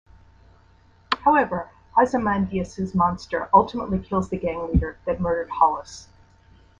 However, Ozymandias' monster ultimately kills the gang leader that murdered Hollis.